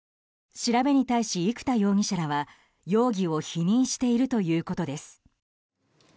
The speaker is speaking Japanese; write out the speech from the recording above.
調べに対し、生田容疑者らは容疑を否認しているということです。